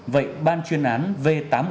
vậy ban chuyên án v tám trăm một mươi